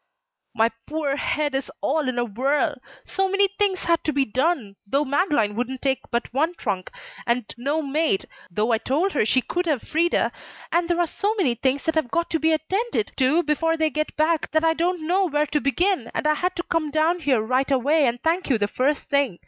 "My poor head is all in a whirl. So many things had to be done, though Madeleine wouldn't take but one trunk and no maid, though I told her she could have Freda, and there are so many things that have got to be attended to before they get back that I don't know where to begin, and I had to come down here right away and thank you the first thing.